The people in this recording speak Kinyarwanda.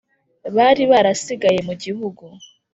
Bari barasigaye mu gihugu